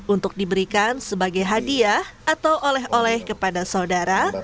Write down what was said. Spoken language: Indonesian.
untuk diberikan sebagai hadiah atau oleh oleh kepada saudara